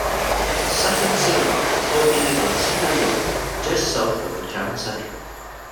Sutton Synagogue is located on Cedar Road, just south of the town centre.